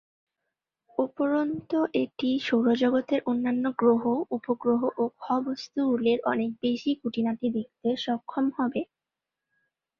উপরন্তু, এটি সৌরজগতের অন্যান্য গ্রহ, উপগ্রহ ও খ-বস্তুগুলির অনেক বেশী খুঁটিনাটি দেখতে সক্ষম হবে।